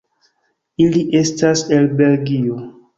Ili estas el Belgio.